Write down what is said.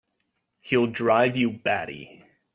He'll drive you batty!